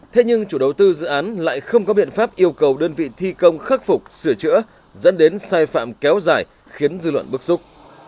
thế nhưng chủ đầu tư dự án lại không có biện pháp yêu cầu đơn vị thi công khắc phục sửa chữa dẫn đến sai phạm kéo dài khiến dư luận bức xúc